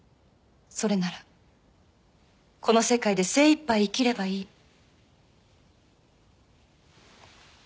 それならこの世界で精いっぱい生きればいい。